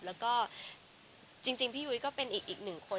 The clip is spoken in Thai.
แล้วก็จริงพี่ยุ้ยก็เป็นอีกหนึ่งคน